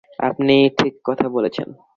আপনি ঠিক কথা বলেছেন।